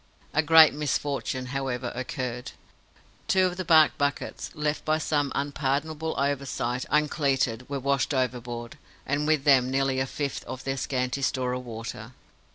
A great misfortune, however, occurred. Two of the bark buckets, left by some unpardonable oversight uncleated, were washed overboard, and with them nearly a fifth of their scanty store of water.